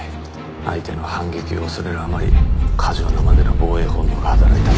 相手の反撃を恐れるあまり過剰なまでの防衛本能が働いた。